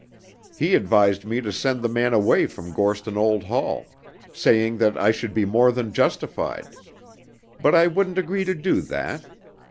He advised me to send the man away from Gorston Old Hall, saying that I should be more than justified. But I wouldn't agree to do that.